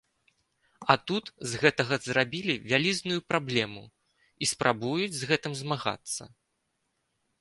А тут з гэтага зрабілі вялізную праблему і спрабуюць з гэтым змагацца!